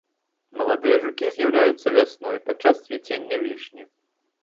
Маладыя жукі з'яўляюцца вясной, падчас цвіцення вішні.